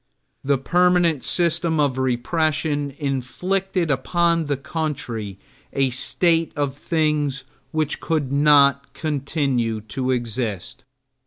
The permanent system of repression inflicted upon the country a state of things which could not continue to exist.